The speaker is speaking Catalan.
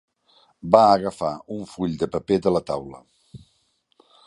Va agafar un full de paper de la taula.